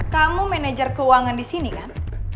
kamu manajer keuangan disini kan